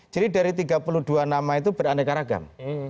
jadi dari tiga puluh dua nama itu beraneka ragam